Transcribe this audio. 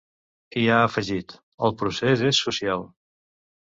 I ha afegit: El procés és social.